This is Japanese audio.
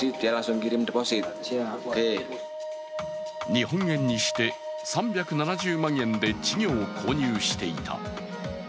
日本円にして３７０万円で稚魚を購入していた。